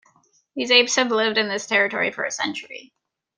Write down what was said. These apes have lived in this territory for a century.